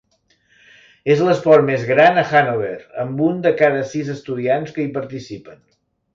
És l'esport més gran a Hannover, amb un de cada sis estudiants que hi participen.